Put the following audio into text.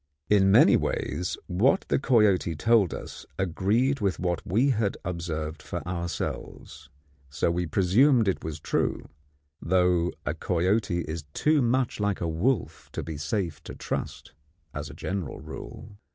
In many ways what the coyote told us agreed with what we had observed for ourselves, so we presumed it was true; though a coyote is too much like a wolf to be safe to trust as a general rule.